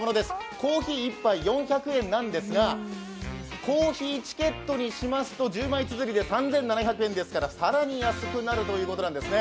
コーヒー１杯４００円なんですがコーヒーチケットにしますと１０枚つづりで３７００円ですから更に安くなるということですね。